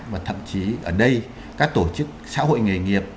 và thậm chí ở đây các tổ chức xã hội nghề nghiệp